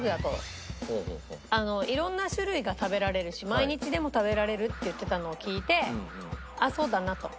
色んな種類が食べられるし毎日でも食べられるって言ってたのを聞いてあっそうだなと。